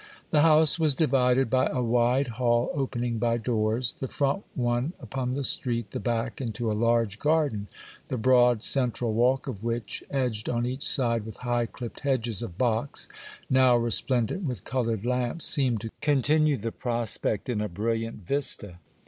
The house was divided by a wide hall opening by doors, the front one upon the street, the back into a large garden, the broad central walk of which, edged on each side with high clipped hedges of box, now resplendent with coloured lamps, seemed to continue the prospect in a brilliant vista.